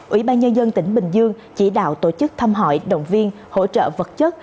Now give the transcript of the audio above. ủy ban nhân dân tỉnh bình dương chỉ đạo tổ chức thăm hỏi động viên hỗ trợ vật chất